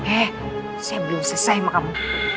eh saya belum selesai sama kamu